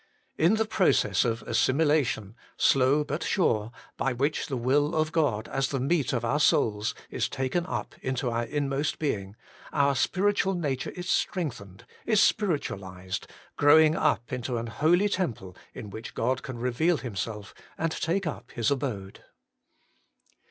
In the process of assimilation, slow but sure, by which the will of God, as the meat of our souls, is taken up into our inmost being, our spiritual nature is strengthened, is spiritualized, growing up into an holy temple in which God can reveal Himself and take up His abode.